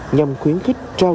nhằm khuyến khích các hành khách